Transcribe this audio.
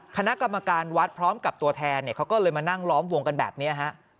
คณะกรรมการวัดพร้อมกับตัวแทนเขาก็เลยมานั่งล้อมวงกันแบบนี้ฮะ